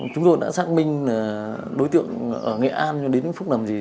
chúng tôi đã xác minh đối tượng ở nghệ an đến phút làm gì